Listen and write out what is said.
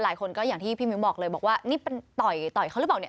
หลายคนก็อย่างที่พี่มิวบอกเลยบอกว่านี่ต่อยเขาหรือเปล่า